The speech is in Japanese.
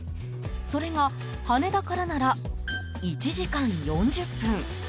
それが、羽田からなら１時間４０分。